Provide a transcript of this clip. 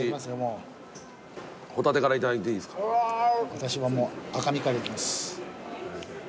私はもう赤身からいきます。